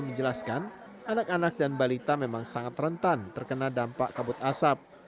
menjelaskan anak anak dan balita memang sangat rentan terkena dampak kabut asap